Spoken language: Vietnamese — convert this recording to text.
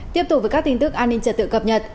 tiếp tục với các tin tức an ninh trật tự cập nhật